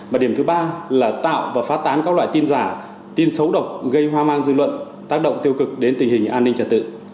và điểm thứ ba là tạo và phát tán các loại tin giả tin xấu độc gây hoa mang dư luận tác động tiêu cực đến tình hình an ninh trật tự